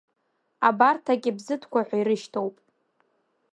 Абарҭ акьабзыҭқәа ҳәа ирышьҭоуп.